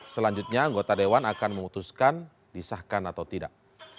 selanjutnya anggota dewan akan memutuskan disahkan atau tidak